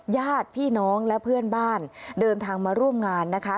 ญาติพี่น้องและเพื่อนบ้านเดินทางมาร่วมงานนะคะ